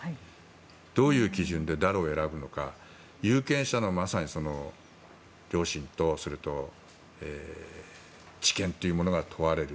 どういう基準で誰を選ぶのか有権者のまさに良心と知見というものが問われる。